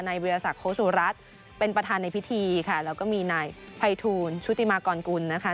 วิทยาศักดิโคสุรัตน์เป็นประธานในพิธีค่ะแล้วก็มีนายภัยทูลชุติมากรกุลนะคะ